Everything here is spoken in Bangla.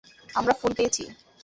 আমরা ফোন পেয়েছি।